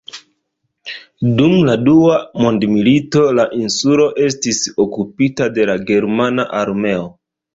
Dum la Dua mondmilito la insulo estis okupita de la germana armeo.